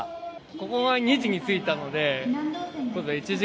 ここに２時に着いたので。